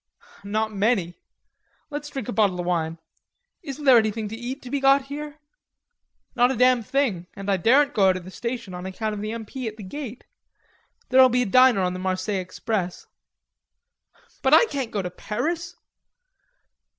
"Not many.... Let's drink a bottle of wine. Isn't there anything to eat to be got here?" "Not a damn thing, and I daren't go out of the station on account of the M.P. at the gate.... There'll be a diner on the Marseilles express." "But I can't go to Paris."